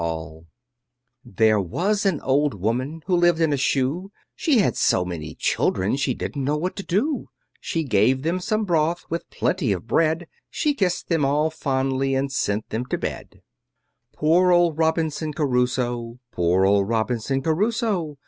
There was an old woman who lived in a shoe, She had so many children she didn't know what to do; She gave them some broth with plenty of bread, She kissed them all fondly and sent them to bed. Poor old Robinson Crusoe! Poor old Robinson Crusoe!